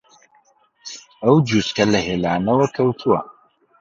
ئەو جووچکە لە هێلانەوە کەوتووە